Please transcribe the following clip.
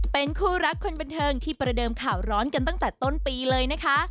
เป็นคู่รักคนบันเทิงที่ประเดิมข่าวร้อนกันตั้งแต่ต้นปีเลยนะคะ